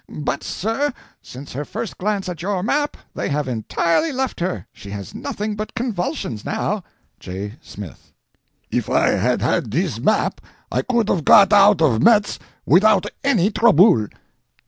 But, sir, since her first glance at your map, they have entirely left her. She has nothing but convulsions now. J. SMITH. If I had had this map I could have got out of Metz without any trouble.